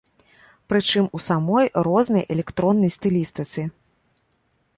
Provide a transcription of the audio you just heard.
Прычым у самой рознай электроннай стылістыцы.